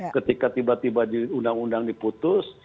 ketika tiba tiba di undang undang diputus